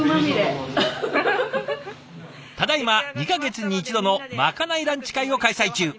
ただいま２か月に一度のまかないランチ会を開催中。